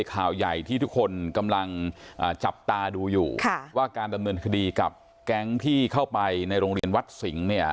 ข่าวใหญ่ที่ทุกคนกำลังจับตาดูอยู่ว่าการดำเนินคดีกับแก๊งที่เข้าไปในโรงเรียนวัดสิงห์เนี่ย